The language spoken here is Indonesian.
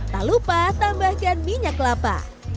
tak lupa tambahkan minyak kelapa